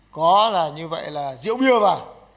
có là như vậy là rượu bia vào